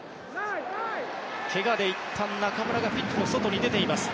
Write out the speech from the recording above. けがでいったん中村がピッチの外に出ています。